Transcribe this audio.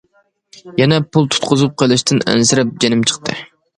يەنە پۇل تۇتقۇزۇپ قېلىشتىن ئەنسىرەپ جېنىم چىقتى.